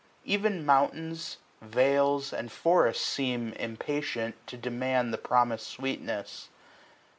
Ev*n mountains, vales. And forests seem, impatient, to demand The promis*d sweetness.